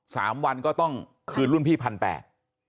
สามวันก็ต้องคืนรุ่นพี่พันแปด